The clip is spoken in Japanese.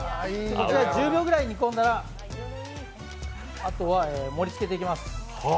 １０秒ぐらい煮込んだらあとは盛りつけていきます。